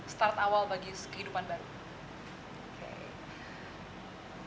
start awal bagi kehidupan baru